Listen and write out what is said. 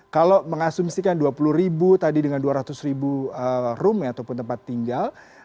kalau mengasumsikan dua puluh ribu tadi dengan dua ratus ribu room ataupun tempat tinggal